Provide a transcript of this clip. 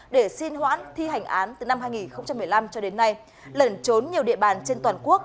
để xin hoãn thi hành án từ năm hai nghìn một mươi năm cho đến nay lẩn trốn nhiều địa bàn trên toàn quốc